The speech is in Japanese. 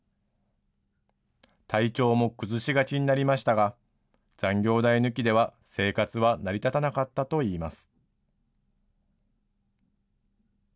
体調も崩しがちになりましたが、残業代抜きでは生活は成り立たなかったといいます。